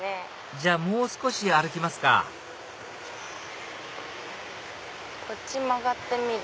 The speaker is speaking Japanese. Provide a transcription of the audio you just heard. じゃあもう少し歩きますかこっち曲がってみる？